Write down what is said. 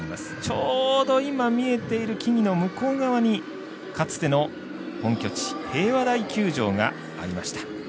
ちょうど見えている木々の向こう側にかつての本拠地平和台球場がありました。